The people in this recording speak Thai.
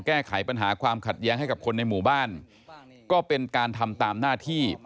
แก้ไขปัญหาความขัดแย้งให้กับคนในหมู่บ้านก็เป็นการทำตามหน้าที่